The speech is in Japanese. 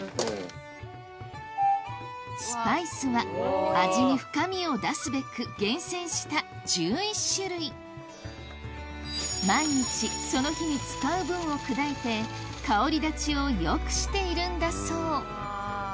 スパイスは味に深みを出すべく厳選した１１種類毎日その日に使う分を砕いて香り立ちを良くしているんだそう